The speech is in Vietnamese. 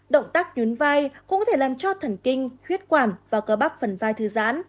động tác nhún vai cũng có thể làm cho thần kinh huyết quảm và cơ bắp phần vai thư giãn